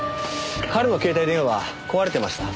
彼の携帯電話は壊れてました。